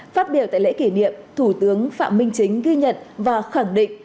phát biểu tại lễ kỷ niệm thủ tướng phạm minh chính ghi nhận và khẳng định